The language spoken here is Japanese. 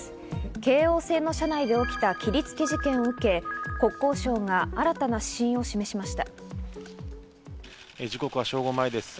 京王線の車内で起きた切りつけ事件を受け、国交省が新たな指針を示しました。